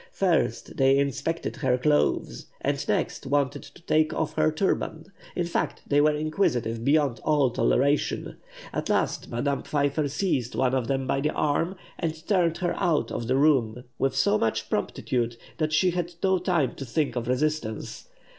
First they inspected her clothes, and next wanted to take off her turban; in fact, they were inquisitive beyond all toleration. At last, Madame Pfeiffer seized one of them by the arm, and turned her out of her room with so much promptitude that she had no time to think of resistance.